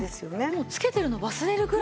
もうつけてるの忘れるぐらい。